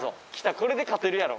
これで勝てるやろ。